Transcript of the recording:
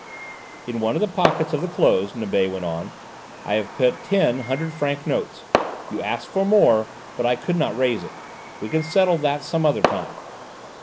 "In one of the pockets of the clothes," Nibet went on, "I have put ten hundred franc notes; you asked for more, but I could not raise it: we can settle that some other time."